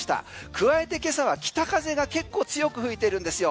加えて今朝は北風が結構強く吹いてるんですよ。